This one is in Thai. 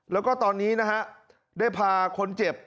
แล้วก็ตอนนี้นะฮะได้พาคนเจ็บ